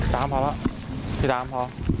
ตามพอแล้วที่ตามพอ